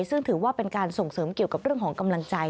ซึ่งถือว่าเป็นการส่งเสริมเกี่ยวกับเรื่องของกำลังใจ